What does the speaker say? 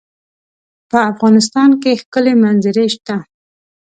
په افغانستان کې ښکلي منظرې شته.